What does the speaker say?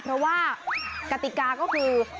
เพราะว่ากติกาก็คือ